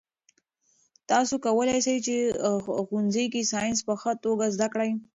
تاسي کولای شئ په ښوونځي کې ساینس په ښه توګه زده کړئ.